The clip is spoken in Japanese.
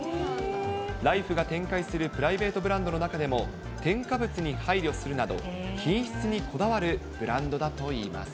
ライフが展開するプライベートブランドの中でも、添加物に配慮するなど、品質にこだわるブランドだといいます。